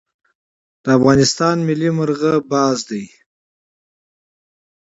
د افغانستان ملي مرغه عقاب دی